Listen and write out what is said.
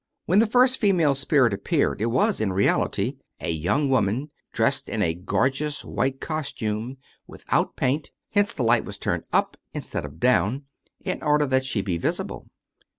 When the first female spirit appeared it was, in reality, a young woman, dressed in a gorgeous white costume with 299 True Stories of Modern Magic out paint, hence the light was turned up instead of down, in order that she be visible.